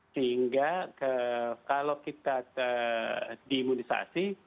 sehingga kalau kita diimunisasi